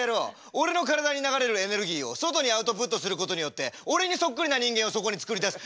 俺の体に流れるエネルギーを外にアウトプットすることによって俺にそっくりな人間をそこに作り出す。